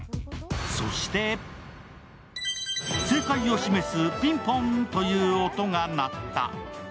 そして正解を示すピンポンという音が鳴った。